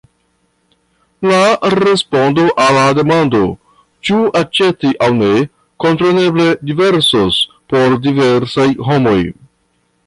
La respondo al la demando, ĉu aĉeti aŭ ne, kompreneble diversos por diversaj homoj.